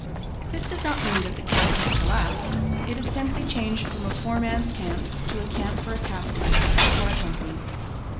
This does not mean that the camp had collapsed. It had simply changed from a poor man's camp to a camp for a capitalist or a company.